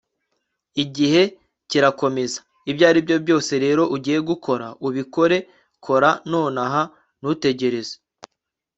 igihe kirakomeza. ibyo aribyo byose rero ugiye gukora, ubikore. kora nonaha. ntutegereze